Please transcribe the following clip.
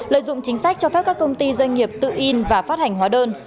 lợi dụng chính sách cho phép các công ty doanh nghiệp tự in và phát hành hóa đơn